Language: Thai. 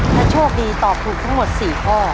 ถ้าโชคดีตอบถูกทั้งหมด๔ข้อ